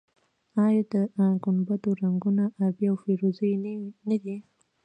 آیا د ګنبدونو رنګونه ابي او فیروزه یي نه دي؟